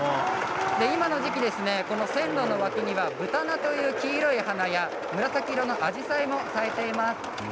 今の時期、この線路の脇には黄色い花や紫色のアジサイが咲いています。